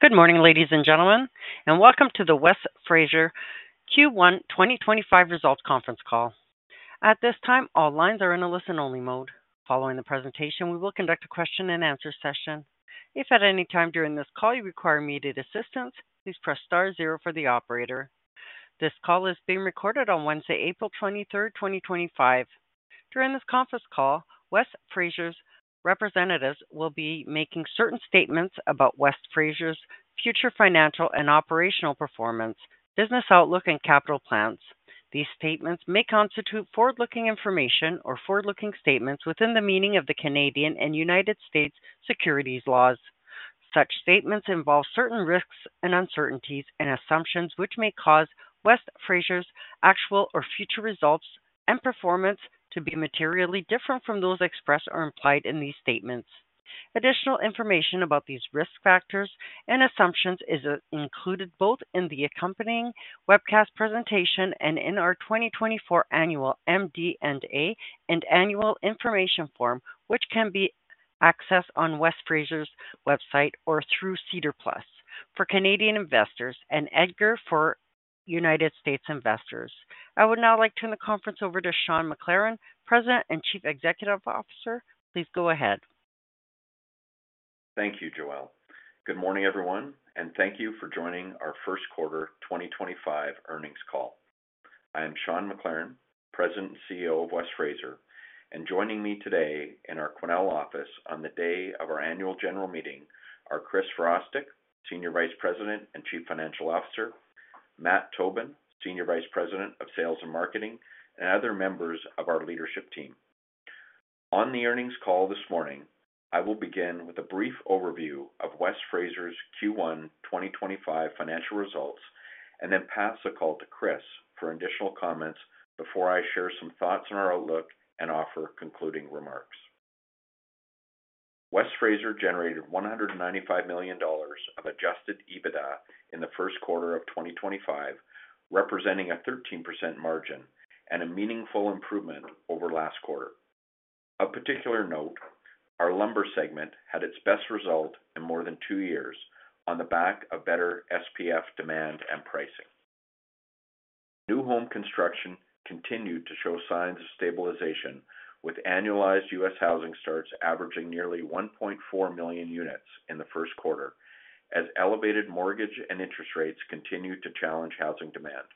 Good morning, ladies and gentlemen, and welcome to the West Fraser Q1 2025 results conference call. At this time, all lines are in a listen-only mode. Following the presentation, we will conduct a question-and-answer session. If at any time during this call you require immediate assistance, please press star zero for the operator. This call is being recorded on Wednesday, April 23rd, 2025. During this conference call, West Fraser's representatives will be making certain statements about West Fraser's future financial and operational performance, business outlook, and capital plans. These statements may constitute forward-looking information or forward-looking statements within the meaning of the Canadian and United States securities laws. Such statements involve certain risks and uncertainties and assumptions which may cause West Fraser's actual or future results and performance to be materially different from those expressed or implied in these statements. Additional information about these risk factors and assumptions is included both in the accompanying webcast presentation and in our 2024 Annual MD&A and Annual Information Form, which can be accessed on West Fraser's website or through SEDAR+ for Canadian investors and EDGAR for United States investors. I would now like to turn the conference over to Sean McLaren, President and Chief Executive Officer. Please go ahead. Thank you, Joelle. Good morning, everyone, and thank you for joining our first quarter 2025 earnings call. I am Sean McLaren, President and CEO of West Fraser, and joining me today in our Quesnel office on the day of our annual general meeting are Chris Virostek, Senior Vice President and Chief Financial Officer; Matt Tobin, Senior Vice President of Sales and Marketing; and other members of our leadership team. On the earnings call this morning, I will begin with a brief overview of West Fraser's Q1 2025 financial results and then pass the call to Chris for additional comments before I share some thoughts on our outlook and offer concluding remarks. West Fraser generated $195 million of adjusted EBITDA in the first quarter of 2025, representing a 13% margin and a meaningful improvement over last quarter. Of particular note, our lumber segment had its best result in more than two years on the back of better SPF demand and pricing. New home construction continued to show signs of stabilization, with annualized U.S. housing starts averaging nearly 1.4 million units in the first quarter, as elevated mortgage and interest rates continue to challenge housing demand.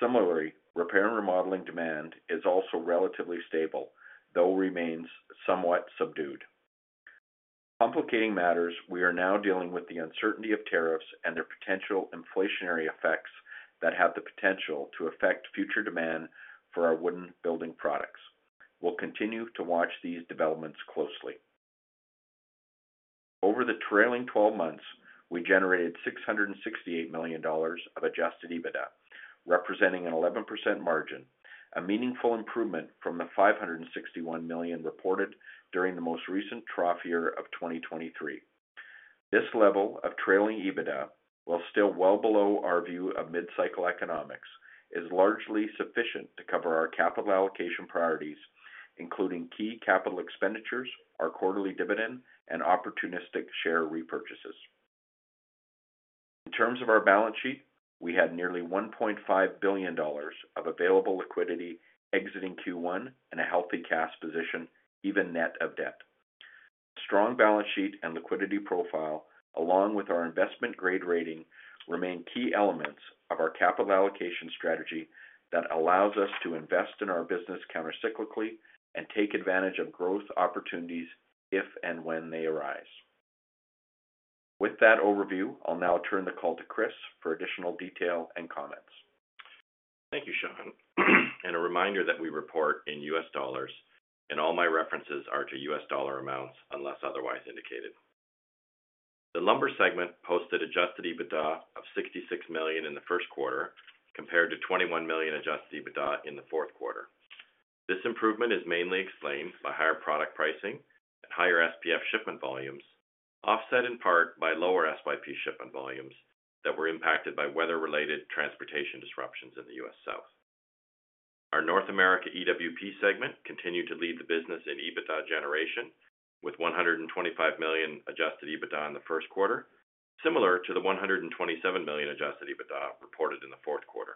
Similarly, repair and remodeling demand is also relatively stable, though remains somewhat subdued. Complicating matters, we are now dealing with the uncertainty of tariffs and their potential inflationary effects that have the potential to affect future demand for our wooden building products. We'll continue to watch these developments closely. Over the trailing 12 months, we generated $668 million of adjusted EBITDA, representing an 11% margin, a meaningful improvement from the $561 million reported during the most recent trough year of 2023. This level of trailing EBITDA, while still well below our view of mid-cycle economics, is largely sufficient to cover our capital allocation priorities, including key capital expenditures, our quarterly dividend, and opportunistic share repurchases. In terms of our balance sheet, we had nearly $1.5 billion of available liquidity exiting Q1 and a healthy cash position, even net of debt. Strong balance sheet and liquidity profile, along with our investment-grade rating, remain key elements of our capital allocation strategy that allows us to invest in our business countercyclically and take advantage of growth opportunities if and when they arise. With that overview, I'll now turn the call to Chris for additional detail and comments. Thank you, Sean. A reminder that we report in U.S. dollars, and all my references are to U.S. dollar amounts unless otherwise indicated. The lumber segment posted adjusted EBITDA of $66 million in the first quarter, compared to $21 million adjusted EBITDA in the fourth quarter. This improvement is mainly explained by higher product pricing and higher SPF shipment volumes, offset in part by lower SYP shipment volumes that were impacted by weather-related transportation disruptions in the U.S. South. Our North America EWP segment continued to lead the business in EBITDA generation, with $125 million adjusted EBITDA in the first quarter, similar to the $127 million adjusted EBITDA reported in the fourth quarter.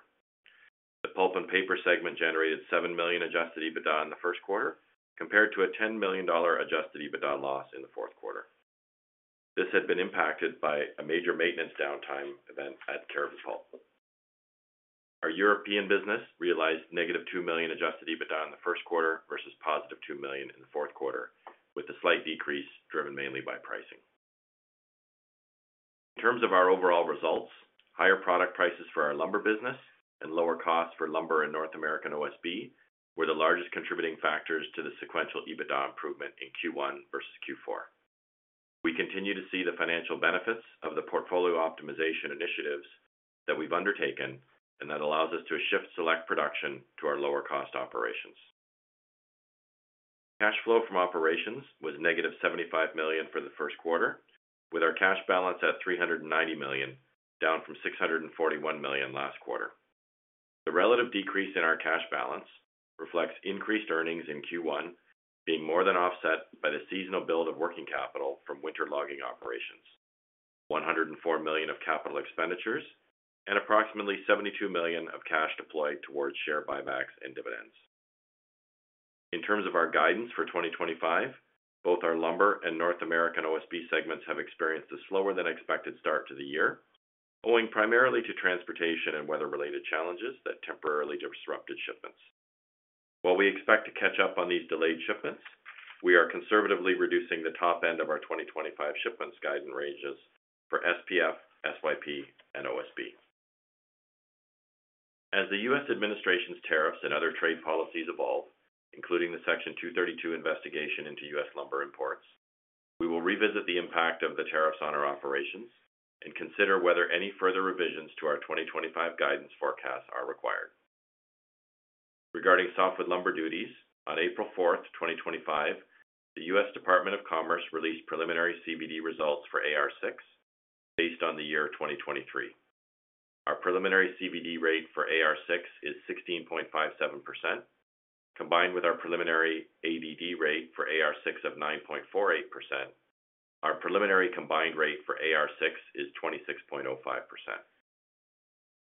The pulp and paper segment generated $7 million adjusted EBITDA in the first quarter, compared to a $10 million adjusted EBITDA loss in the fourth quarter. This had been impacted by a major maintenance downtime event at Cariboo Pulp. Our European business realized negative $2 million adjusted EBITDA in the first quarter versus positive $2 million in the fourth quarter, with the slight decrease driven mainly by pricing. In terms of our overall results, higher product prices for our lumber business and lower costs for lumber in North America and OSB were the largest contributing factors to the sequential EBITDA improvement in Q1 versus Q4. We continue to see the financial benefits of the portfolio optimization initiatives that we've undertaken and that allows us to shift select production to our lower-cost operations. Cash flow from operations was -$75 million for the first quarter, with our cash balance at $390 million, down from $641 million last quarter. The relative decrease in our cash balance reflects increased earnings in Q1 being more than offset by the seasonal build of working capital from winter logging operations, $104 million of capital expenditures, and approximately $72 million of cash deployed towards share buybacks and dividends. In terms of our guidance for 2025, both our lumber and North America and OSB segments have experienced a slower-than-expected start to the year, owing primarily to transportation and weather-related challenges that temporarily disrupted shipments. While we expect to catch up on these delayed shipments, we are conservatively reducing the top end of our 2025 shipments guidance ranges for SPF, SYP, and OSB. As the U.S. administration's tariffs and other trade policies evolve, including the Section 232 investigation into U.S. lumber imports, we will revisit the impact of the tariffs on our operations and consider whether any further revisions to our 2025 guidance forecasts are required. Regarding softwood lumber duties, on April 4, 2025, the U.S. Department of Commerce released preliminary CVD results for AR6 based on the year 2023. Our preliminary CVD rate for AR6 is 16.57%, combined with our preliminary ADD rate for AR6 of 9.48%, our preliminary combined rate for AR6 is 26.05%,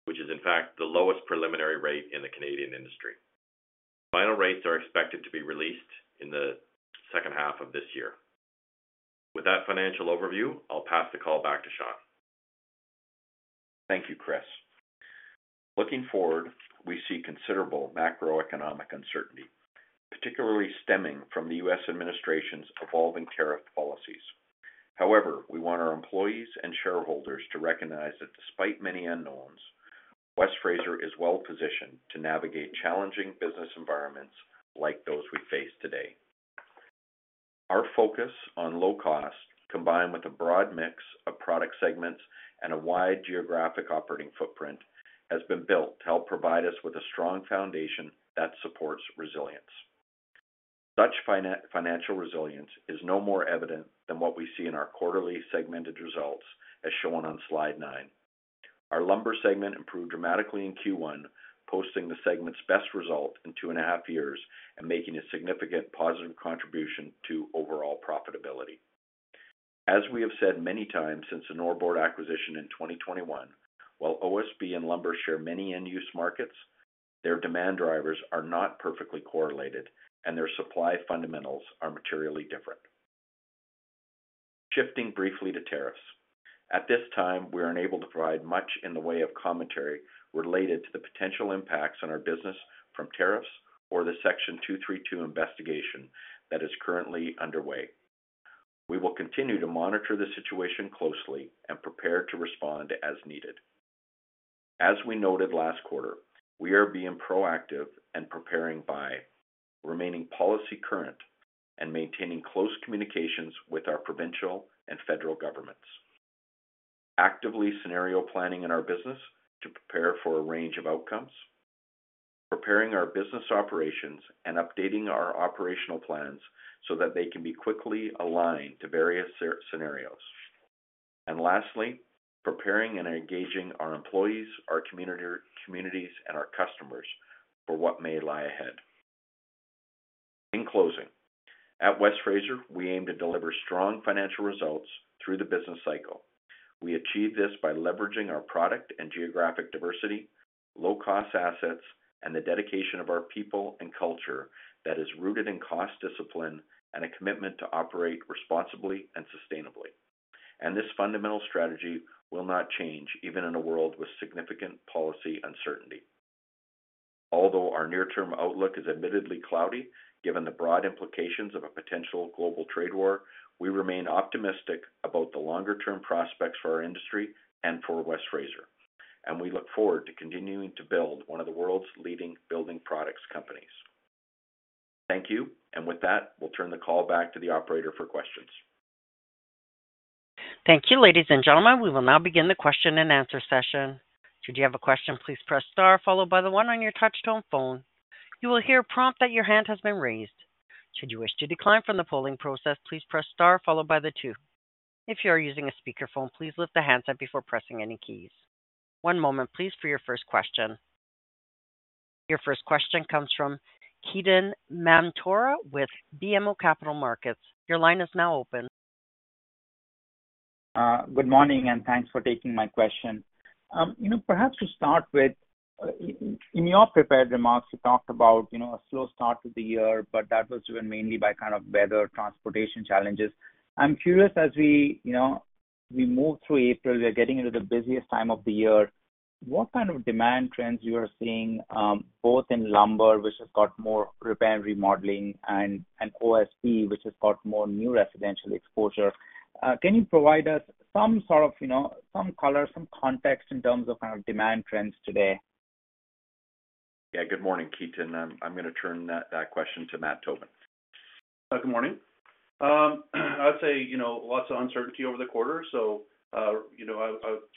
which is in fact the lowest preliminary rate in the Canadian industry. Final rates are expected to be released in the second half of this year. With that financial overview, I'll pass the call back to Sean. Thank you, Chris. Looking forward, we see considerable macroeconomic uncertainty, particularly stemming from the U.S. administration's evolving tariff policies. However, we want our employees and shareholders to recognize that despite many unknowns, West Fraser is well-positioned to navigate challenging business environments like those we face today. Our focus on low cost, combined with a broad mix of product segments and a wide geographic operating footprint, has been built to help provide us with a strong foundation that supports resilience. Such financial resilience is no more evident than what we see in our quarterly segmented results, as shown on slide nine. Our lumber segment improved dramatically in Q1, posting the segment's best result in two and a half years and making a significant positive contribution to overall profitability. As we have said many times since the Norbord acquisition in 2021, while OSB and lumber share many end-use markets, their demand drivers are not perfectly correlated, and their supply fundamentals are materially different. Shifting briefly to tariffs. At this time, we are unable to provide much in the way of commentary related to the potential impacts on our business from tariffs or the Section 232 investigation that is currently underway. We will continue to monitor the situation closely and prepare to respond as needed. As we noted last quarter, we are being proactive and preparing by remaining policy current and maintaining close communications with our provincial and federal governments. Actively scenario planning in our business to prepare for a range of outcomes, preparing our business operations and updating our operational plans so that they can be quickly aligned to various scenarios. Lastly, preparing and engaging our employees, our communities, and our customers for what may lie ahead. In closing, at West Fraser, we aim to deliver strong financial results through the business cycle. We achieve this by leveraging our product and geographic diversity, low-cost assets, and the dedication of our people and culture that is rooted in cost discipline and a commitment to operate responsibly and sustainably. This fundamental strategy will not change even in a world with significant policy uncertainty. Although our near-term outlook is admittedly cloudy, given the broad implications of a potential global trade war, we remain optimistic about the longer-term prospects for our industry and for West Fraser, and we look forward to continuing to build one of the world's leading building products companies. Thank you, and with that, we'll turn the call back to the operator for questions. Thank you, ladies and gentlemen. We will now begin the question and answer session. Should you have a question, please press star, followed by the one on your touch-tone phone. You will hear a prompt that your hand has been raised. Should you wish to decline from the polling process, please press star, followed by the two. If you are using a speakerphone, please lift the hands up before pressing any keys. One moment, please, for your first question. Your first question comes from Ketan Mamtora with BMO Capital Markets. Your line is now open. Good morning, and thanks for taking my question. You know, perhaps to start with, in your prepared remarks, you talked about a slow start to the year, but that was driven mainly by kind of weather transportation challenges. I'm curious, as we move through April, we're getting into the busiest time of the year. What kind of demand trends you are seeing, both in lumber, which has got more repair and remodeling, and OSB, which has got more new residential exposure? Can you provide us some sort of some color, some context in terms of kind of demand trends today? Yeah, good morning, Ketan. I'm going to turn that question to Matt Tobin. Good morning. I would say lots of uncertainty over the quarter. I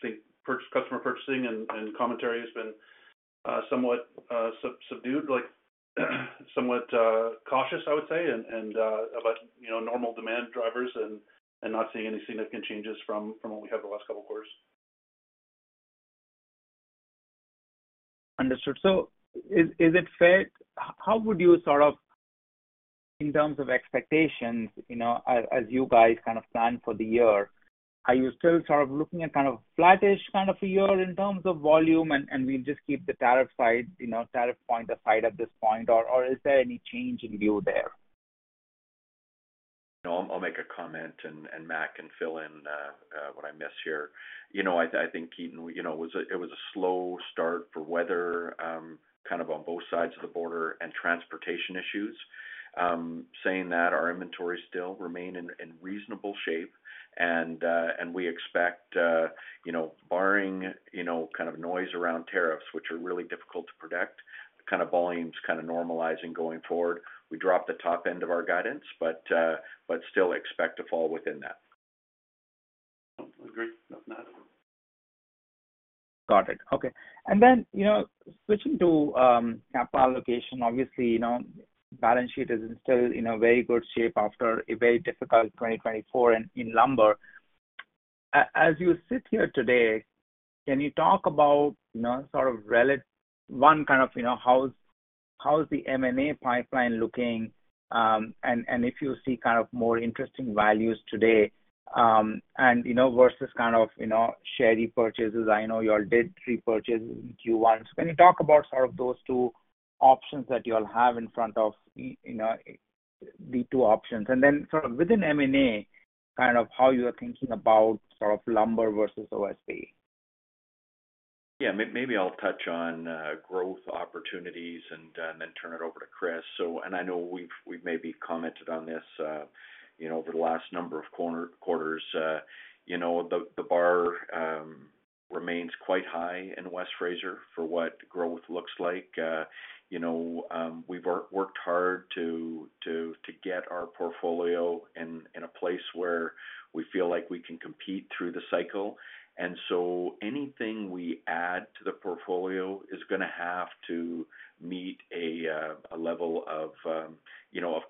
think customer purchasing and commentary has been somewhat subdued, somewhat cautious, I would say, about normal demand drivers and not seeing any significant changes from what we had the last couple of quarters. Understood. Is it fair? How would you sort of, in terms of expectations, as you guys kind of plan for the year, are you still sort of looking at kind of a flattish kind of a year in terms of volume, and we'll just keep the tariff side, tariff point aside at this point, or is there any change in view there? I'll make a comment, and Matt can fill in what I miss here. I think, Ketan, it was a slow start for weather kind of on both sides of the border and transportation issues. Saying that, our inventory still remains in reasonable shape, and we expect, barring kind of noise around tariffs, which are really difficult to predict, kind of volumes kind of normalizing going forward, we drop the top end of our guidance, but still expect to fall within that. Agreed. Got it. Okay. Switching to capital allocation, obviously, balance sheet is still in a very good shape after a very difficult 2024 in lumber. As you sit here today, can you talk about sort of one, kind of how's the M&A pipeline looking, and if you see kind of more interesting values today versus kind of shady purchases? I know you all did repurchase in Q1. Can you talk about sort of those two options that you all have in front of the two options? Within M&A, kind of how you are thinking about sort of lumber versus OSB? Yeah, maybe I'll touch on growth opportunities and then turn it over to Chris. I know we've maybe commented on this over the last number of quarters. The bar remains quite high in West Fraser for what growth looks like. We've worked hard to get our portfolio in a place where we feel like we can compete through the cycle. Anything we add to the portfolio is going to have to meet a level of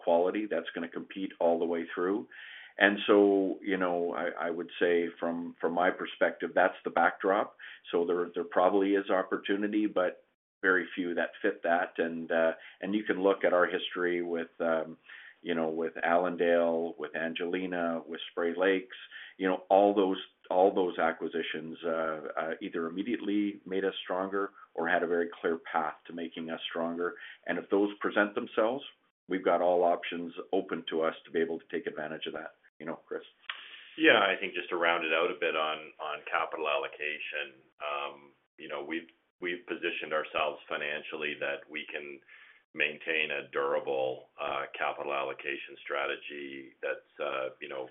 quality that's going to compete all the way through. I would say, from my perspective, that's the backdrop. There probably is opportunity, but very few that fit that. You can look at our history with Allendale, with Angelina, with Spray Lake. All those acquisitions either immediately made us stronger or had a very clear path to making us stronger. If those present themselves, we've got all options open to us to be able to take advantage of that, Chris. Yeah, I think just to round it out a bit on capital allocation, we've positioned ourselves financially that we can maintain a durable capital allocation strategy that's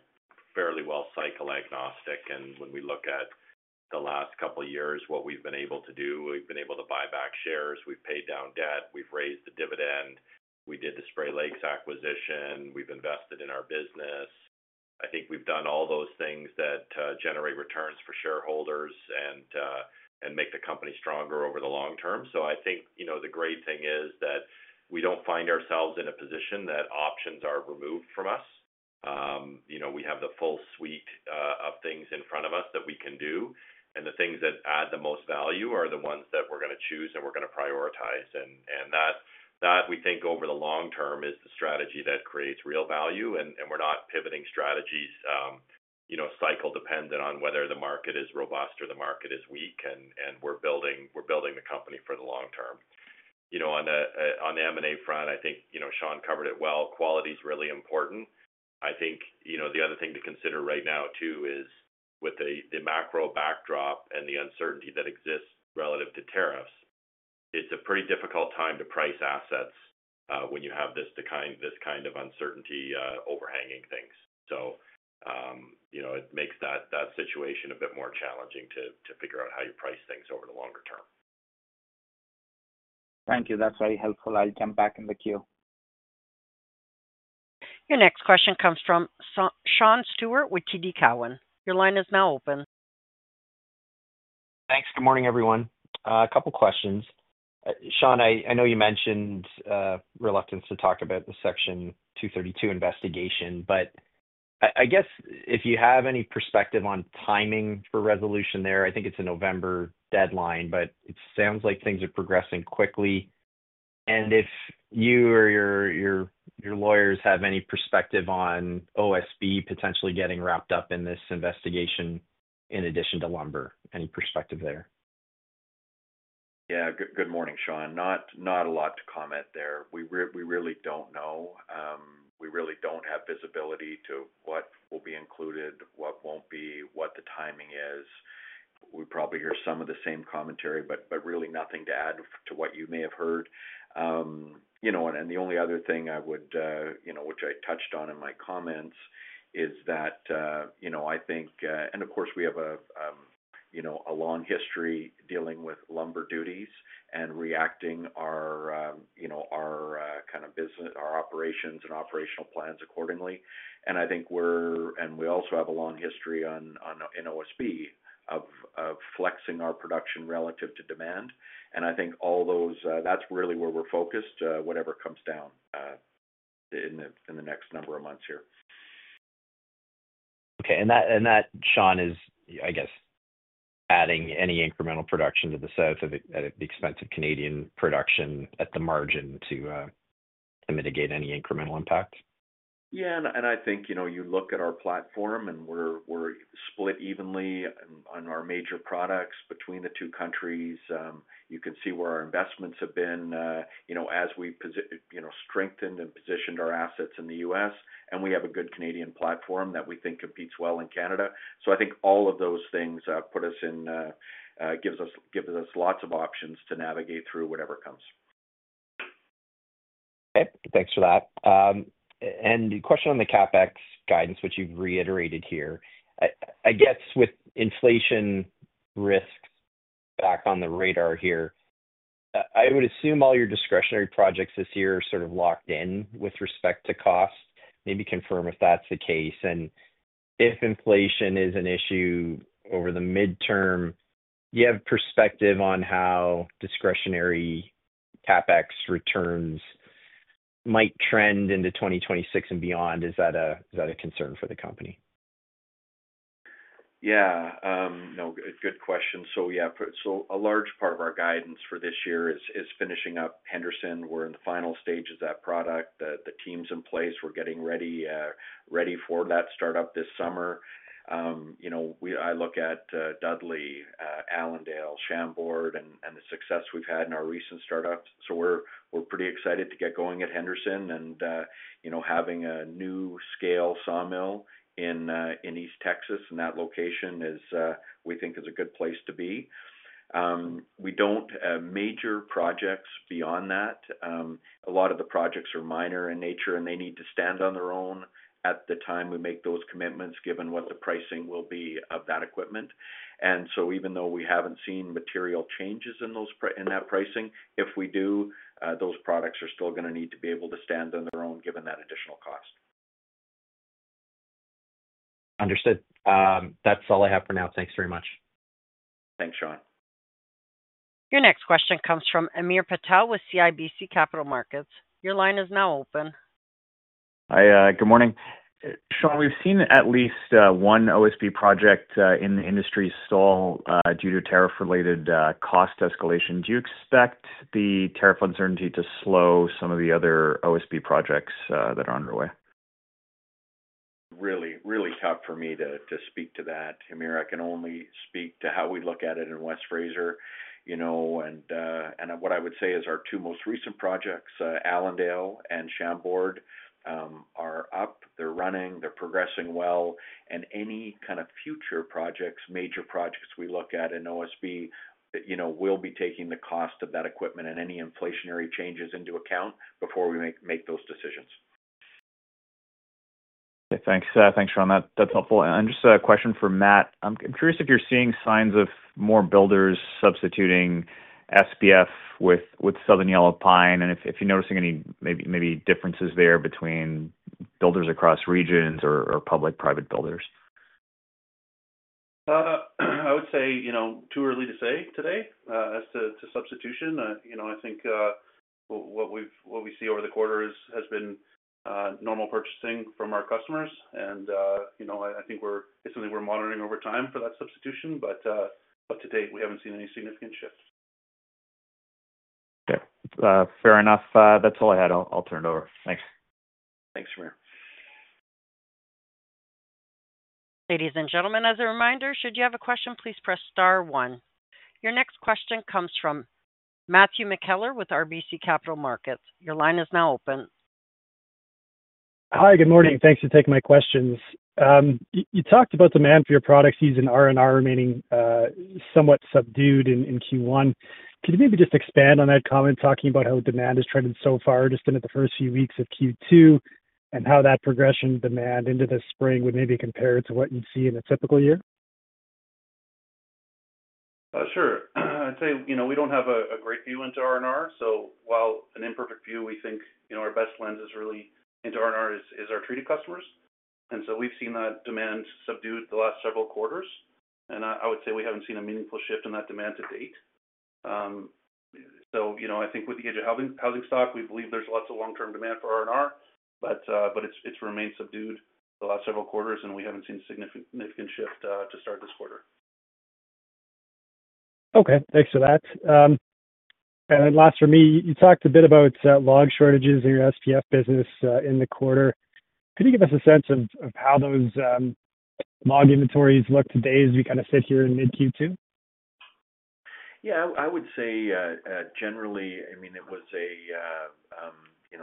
fairly well-cycled agnostic. When we look at the last couple of years, what we've been able to do, we've been able to buy back shares, we've paid down debt, we've raised the dividend, we did the Spray Lake acquisition, we've invested in our business. I think we've done all those things that generate returns for shareholders and make the company stronger over the long term. I think the great thing is that we don't find ourselves in a position that options are removed from us. We have the full suite of things in front of us that we can do, and the things that add the most value are the ones that we're going to choose and we're going to prioritize. That, we think, over the long term is the strategy that creates real value, and we're not pivoting strategies cycle-dependent on whether the market is robust or the market is weak, and we're building the company for the long term. On the M&A front, I think Sean covered it well. Quality is really important. I think the other thing to consider right now, too, is with the macro backdrop and the uncertainty that exists relative to tariffs, it's a pretty difficult time to price assets when you have this kind of uncertainty overhanging things. It makes that situation a bit more challenging to figure out how you price things over the longer term. Thank you. That's very helpful. I'll jump back in the queue. Your next question comes from Sean Steuart with TD Cowen. Your line is now open. Thanks. Good morning, everyone. A couple of questions. Sean, I know you mentioned reluctance to talk about the Section 232 investigation, but I guess if you have any perspective on timing for resolution there, I think it's a November deadline, but it sounds like things are progressing quickly. If you or your lawyers have any perspective on OSB potentially getting wrapped up in this investigation in addition to lumber, any perspective there? Yeah, good morning, Sean. Not a lot to comment there. We really do not know. We really do not have visibility to what will be included, what will not be, what the timing is. We probably hear some of the same commentary, but really nothing to add to what you may have heard. The only other thing I would, which I touched on in my comments, is that I think, and of course, we have a long history dealing with lumber duties and reacting our kind of business, our operations and operational plans accordingly. I think we are, and we also have a long history in OSB of flexing our production relative to demand. I think all those, that is really where we are focused, whatever comes down in the next number of months here. Okay. That, Sean, is, I guess, adding any incremental production to the south at the expense of Canadian production at the margin to mitigate any incremental impacts? Yeah. I think you look at our platform and we're split evenly on our major products between the two countries. You can see where our investments have been as we've strengthened and positioned our assets in the U.S., and we have a good Canadian platform that we think competes well in Canada. I think all of those things put us in, gives us lots of options to navigate through whatever comes. Okay. Thanks for that. The question on the CapEx guidance, which you've reiterated here, I guess with inflation risks back on the radar here, I would assume all your discretionary projects this year are sort of locked in with respect to cost. Maybe confirm if that's the case. If inflation is an issue over the midterm, do you have perspective on how discretionary CapEx returns might trend into 2026 and beyond? Is that a concern for the company? Yeah. No, good question. Yeah, a large part of our guidance for this year is finishing up Henderson. We're in the final stages of that project. The team's in place. We're getting ready for that startup this summer. I look at Dudley, Allendale, Chambord, and the success we've had in our recent startups. We're pretty excited to get going at Henderson and having a new scale sawmill in East Texas. That location, we think, is a good place to be. We don't have major projects beyond that. A lot of the projects are minor in nature, and they need to stand on their own at the time we make those commitments, given what the pricing will be of that equipment. Even though we haven't seen material changes in that pricing, if we do, those products are still going to need to be able to stand on their own given that additional cost. Understood. That's all I have for now. Thanks very much. Thanks, Sean. Your next question comes from Hamir Patel with CIBC Capital Markets. Your line is now open. Hi. Good morning. Sean, we've seen at least one OSB project in the industry stall due to tariff-related cost escalation. Do you expect the tariff uncertainty to slow some of the other OSB projects that are underway? Really, really tough for me to speak to that. Hamir, I can only speak to how we look at it in West Fraser. What I would say is our two most recent projects, Allendale and Chambord , are up. They're running. They're progressing well. Any kind of future projects, major projects we look at in OSB, we'll be taking the cost of that equipment and any inflationary changes into account before we make those decisions. Okay. Thanks, Sean. That's helpful. Just a question for Matt. I'm curious if you're seeing signs of more builders substituting SPF with Southern Yellow Pine, and if you're noticing any maybe differences there between builders across regions or public-private builders. I would say too early to say today as to substitution. I think what we see over the quarter has been normal purchasing from our customers. I think it's something we're monitoring over time for that substitution, but to date, we haven't seen any significant shift. Okay. Fair enough. That's all I had. I'll turn it over. Thanks. Thanks, Hamir. Ladies and gentlemen, as a reminder, should you have a question, please press star one. Your next question comes from Matthew McKellar with RBC Capital Markets. Your line is now open. Hi. Good morning. Thanks for taking my questions. You talked about demand for your products using R&R remaining somewhat subdued in Q1. Could you maybe just expand on that comment, talking about how demand has trended so far just in the first few weeks of Q2 and how that progression demand into the spring would maybe compare to what you'd see in a typical year? Sure. I'd say we don't have a great view into R&R. While an imperfect view, we think our best lens really into R&R is our treated customers. We've seen that demand subdued the last several quarters. I would say we haven't seen a meaningful shift in that demand to date. I think with the age of housing stock, we believe there's lots of long-term demand for R&R, but it's remained subdued the last several quarters, and we haven't seen a significant shift to start this quarter. Okay. Thanks for that. Last for me, you talked a bit about log shortages in your SPF business in the quarter. Could you give us a sense of how those log inventories look today as we kind of sit here in mid-Q2? Yeah. I would say generally, I mean, it was a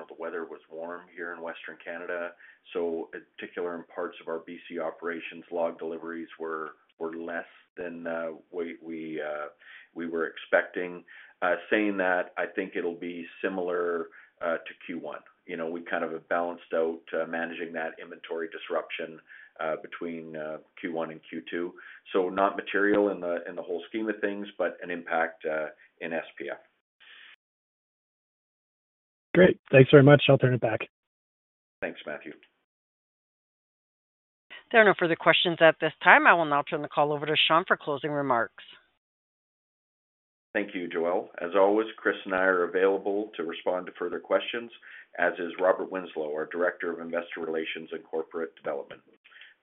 the weather was warm here in Western Canada. In particular, in parts of our BC operations, log deliveries were less than we were expecting. Saying that, I think it'll be similar to Q1. We kind of have balanced out managing that inventory disruption between Q1 and Q2. Not material in the whole scheme of things, but an impact in SPF. Great. Thanks very much. I'll turn it back. Thanks, Matthew. There are no further questions at this time. I will now turn the call over to Sean for closing remarks. Thank you, Joelle. As always, Chris and I are available to respond to further questions, as is Robert Winslow, our Director of Investor Relations and Corporate Development.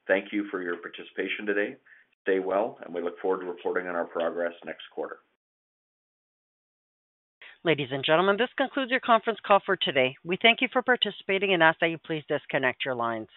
Thank you for your participation today. Stay well, and we look forward to reporting on our progress next quarter. Ladies and gentlemen, this concludes your conference call for today. We thank you for participating and ask that you please disconnect your lines.